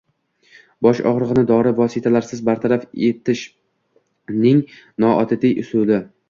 Bosh og‘rig‘ini dori vositalarisiz bartaraf etishningo´ntabiiy usuli